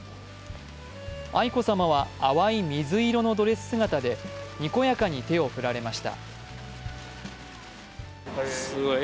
愛子さまは淡い水色のドレス姿でにこやかに手を振られました。